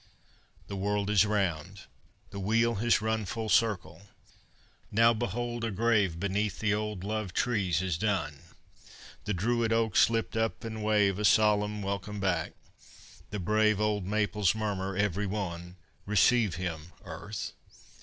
III The world is round. The wheel has run Full circle. Now behold a grave Beneath the old loved trees is done. The druid oaks lift up, and wave A solemn welcome back. The brave Old maples murmur, every one, "Receive him, Earth!"